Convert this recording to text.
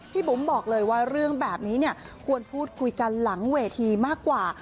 บุ๋มบอกเลยว่าเรื่องแบบนี้เนี่ยควรพูดคุยกันหลังเวทีมากกว่า